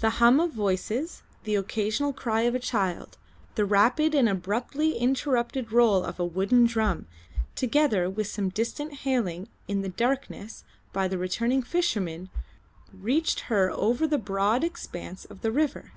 The hum of voices, the occasional cry of a child, the rapid and abruptly interrupted roll of a wooden drum, together with some distant hailing in the darkness by the returning fishermen, reached her over the broad expanse of the river.